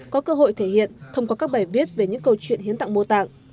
có cơ hội thể hiện thông qua các bài viết về những câu chuyện hiến tặng mô tạng